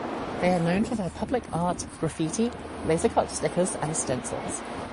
They are known for their public art, graffiti, laser-cut stickers and stencils.